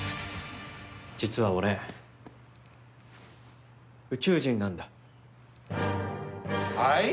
実は俺、宇宙人なんだ。